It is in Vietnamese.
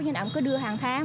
nhưng ông cứ đưa hàng tháng